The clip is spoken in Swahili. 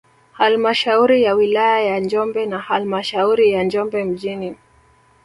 Halmashauri ya wilaya ya Njombe na halmashauri ya Njombe mjini